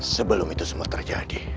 sebelum itu semua terjadi